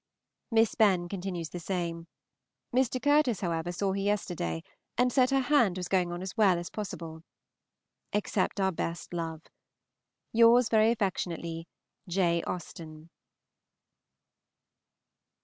Miss Benn continues the same. Mr. Curtis, however, saw her yesterday, and said her hand was going on as well as possible. Accept our best love. Yours very affectionately, J. AUSTEN.